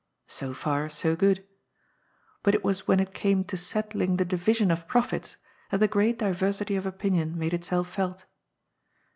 So far, so good. But it was when it came to settling the division of profits that the great diversity of opinion made itself felt.